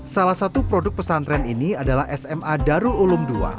salah satu produk pesantren ini adalah sma darul ulum ii